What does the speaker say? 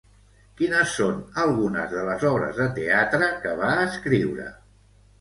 Quines són algunes de les obres de teatre que va escriure?